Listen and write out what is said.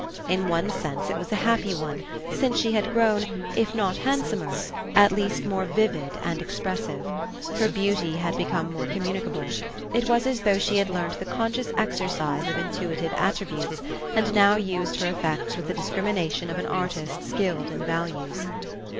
In one sense it was a happy one, since she had grown, if not handsomer, at least more vivid and expressive; her beauty had become more communicable: it was as though she had learned the conscious exercise of intuitive attributes and now used her effects with the discrimination of an artist skilled in values.